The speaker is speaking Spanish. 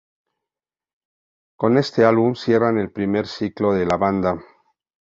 Con este álbum cierran el primer ciclo de la banda.